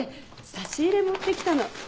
差し入れ持ってきたの。